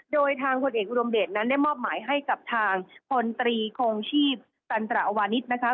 โดยทางพลเอกอุดมเดชนั้นได้มอบหมายให้กับทางพลตรีคงชีพตันตระวานิสนะคะ